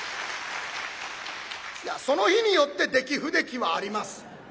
いやその日によって出来不出来はあります。